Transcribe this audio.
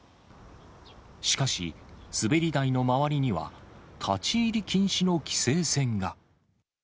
しかし、滑り台の周りには立ち入り禁止の規制線が。